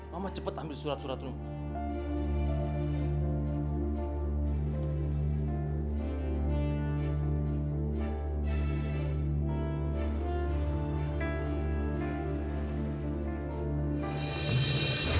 mama cepat ambil surat surat rumah